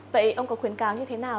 vậy ông có khuyến cáo như thế nào